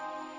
ya aku mau